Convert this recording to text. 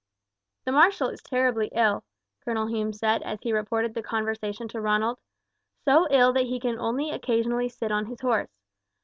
"The marshal is terribly ill," Colonel Hume said as he reported the conversation to Ronald, "so ill that he can only occasionally sit on his horse.